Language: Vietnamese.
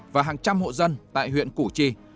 và hàng trăm hộ dân tại huyện củ chi